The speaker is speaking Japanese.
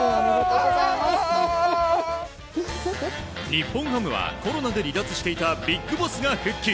日本ハムはコロナで離脱していたＢＩＧＢＯＳＳが復帰。